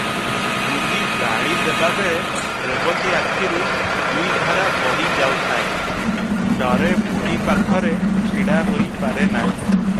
ବୁଢ଼ୀ ଗାଳି ଦେବାବେଳେ ରେବତୀ ଆଖିରୁ ଦୁଇଧାରା ବହି ଯାଉଥାଏ, ଡରେ ବୁଢ଼ୀ ପାଖରେ ଛିଡ଼ା ହୋଇପାରେ ନାହିଁ।